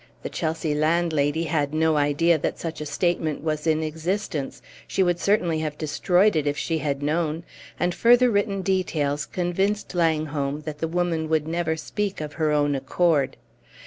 The Chelsea landlady had no idea that such a statement was in existence; she would certainly have destroyed it if she had known; and further written details convinced Langholm that the woman would never speak of her own accord.